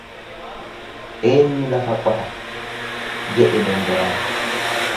Eenyu lafa qota jedhe dongoraan.